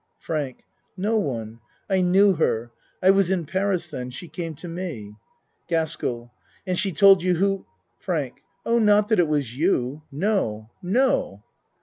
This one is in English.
FRANK No one. I knew her. I was in Paris then. She came to me. GASKELL And she told you who ? FRANK Oh, not that it was you no no.